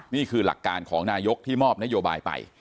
นี่คือหลักการของนายกที่มอบนโยบายไป